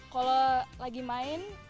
kalau lagi main